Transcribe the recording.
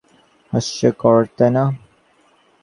হাস্যকর, তাইনা?